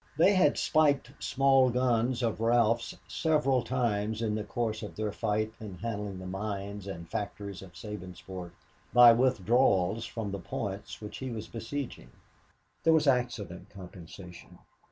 They had spiked small guns of Ralph's several times in the course of their fight in handling the mines and factories of Sabinsport by withdrawals from the points which he was besieging. There was accident compensation.